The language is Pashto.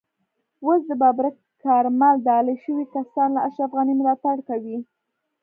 اوس د ببرک کارمل ډالۍ شوي کسان له اشرف غني ملاتړ کوي.